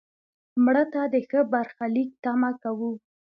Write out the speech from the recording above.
مړه ته د ښه برخلیک تمه کوو